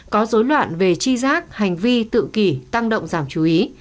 có dối loạn về chi giác hành vi tự kỷ tăng động giảm chú ý